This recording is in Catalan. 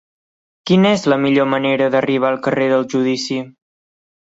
Quina és la millor manera d'arribar al carrer del Judici?